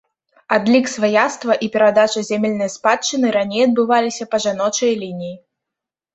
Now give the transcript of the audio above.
Адлік сваяцтва і перадача зямельнай спадчыны раней адбываліся па жаночай лініі.